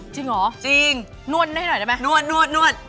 จริงเหรอนวดให้หน่อยได้ไหมจริงนวด